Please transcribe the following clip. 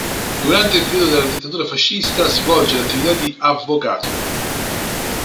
Durante il periodo della dittatura fascista svolge l'attività di avvocato.